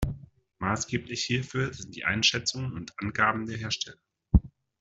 Maßgeblich hierfür sind die Einschätzungen und Angaben der Hersteller.